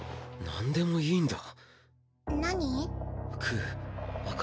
なんでもいいんだ。